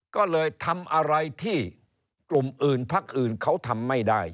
ก็เลยทำอะไรที่กลุ่มอื่นพักอื่นเขาทำไม่ได้